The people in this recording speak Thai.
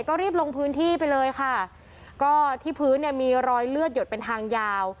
ก็รีบลงพื้นที่ไปเลยค่ะก็ที่พื้นเนี่ยมีรอยเลือดหยดเป็นทางยาว